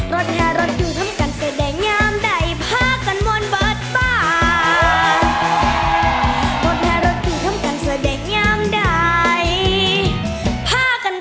รถแม่รถอยู่ทำการแสดงงามใดพากันมอนหมดบ้าน